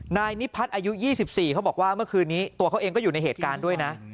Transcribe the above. นายนิพัฒน์อายุ๒๔เขาบอกว่าเมื่อคืนนี้ตัวเขาเองก็อยู่ในเหตุการณ์ด้วยนะ